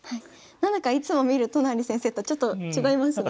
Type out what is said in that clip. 何だかいつも見る都成先生とちょっと違いますね。